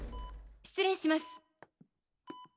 失礼します。